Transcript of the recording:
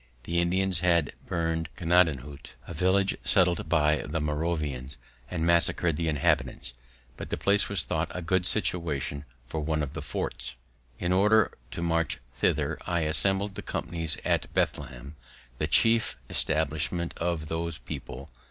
The Indians had burned Gnadenhut, a village settled by the Moravians, and massacred the inhabitants; but the place was thought a good situation for one of the forts. Pronounced Gna´ den hoot. In order to march thither, I assembled the companies at Bethlehem, the chief establishment of those people.